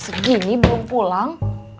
segini belum pulang